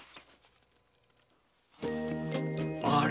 あれ？